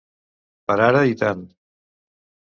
Per ara i tant.